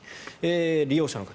利用者の方